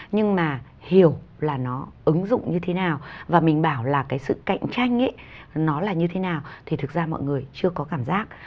nhưng mà hiểu là nó ứng dụng như thế nào và mình bảo là cái sự cạnh tranh nó là như thế nào thì thực ra mọi người chưa có cảm giác